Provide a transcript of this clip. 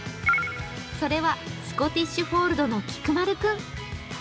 それは、スコティッシュフォールドの菊丸君。